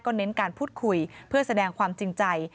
เน้นการพูดคุยเพื่อแสดงความจริงใจ